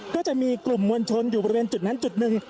ก็จะมีกลุ่มมวลชนอยู่บริเวณจุดนั้นจุดหนึ่ง